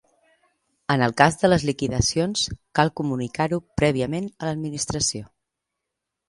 En el cas de les liquidacions, cal comunicar-ho prèviament a l'Administració.